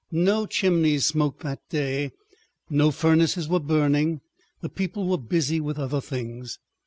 No chimneys smoked that day, no furnaces were burning, the people were busy with other things.